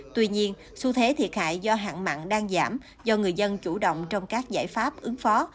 tuy nhiên xu thế thiệt hại do hạn mặn đang giảm do người dân chủ động trong các giải pháp ứng phó